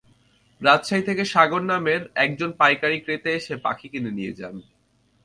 রাজশাহী থেকে সাগর নামের একজন পাইকারি ক্রেতা এসে পাখি কিনে নিয়ে যান।